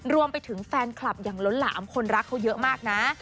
รวมไปถึงแฟนคลับอย่างล้นหลามคนรักเขาเยอะมากนะ